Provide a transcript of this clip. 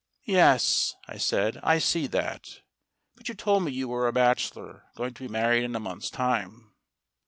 "Yes," I said; "I see that. But you told me you were a bachelor, going to be married in a month's time."